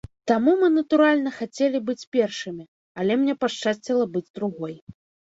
Таму мы, натуральна, хацелі быць першымі, але мне пашчасціла быць другой.